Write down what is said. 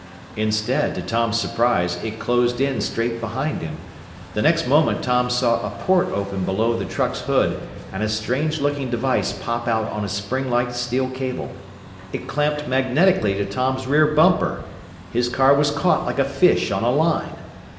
Instead, to Tom's surprise, it closed in straight behind him. The next moment, Tom saw a port open below the truck's hood and a strange looking device pop out on a springlike steel cable. It clamped magnetically to Tom's rear bumper! His car was caught like a fish on a line!